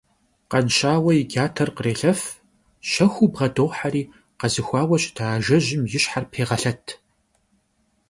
Khanşaue yi cater khrêlhef, şexuu bğedoheri khezıxuaue şıta ajjejım yi şher pêğelhet.